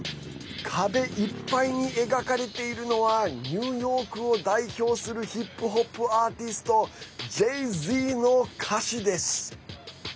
壁いっぱいに描かれているのはニューヨークを代表するヒップホップアーティストＪａｙ‐Ｚの歌詞です。